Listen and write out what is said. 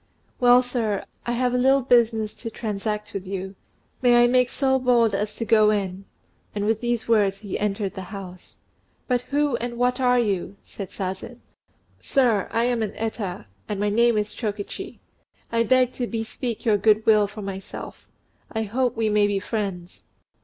"Well, sir, I have a little business to transact with you. May I make so bold as to go in?" And with these words, he entered the house. "But who and what are you?" said Sazen. "Sir, I am an Eta; and my name is Chokichi. I beg to bespeak your goodwill for myself: I hope we may be friends."